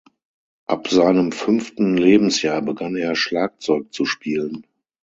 Ab seinem fünften Lebensjahr begann er, Schlagzeug zu spielen.